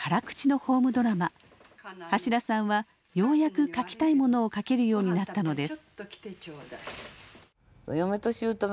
橋田さんはようやく書きたいものを書けるようになったのです。